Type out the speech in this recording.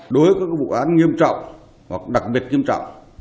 đối với các vụ án nghiêm trọng hoặc đặc biệt nghiêm trọng